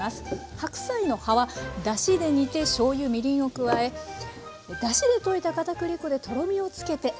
白菜の葉はだしで煮てしょうゆみりんを加えだしで溶いた片栗粉でとろみをつけてあんに。